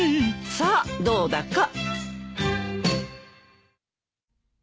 さあどうだか。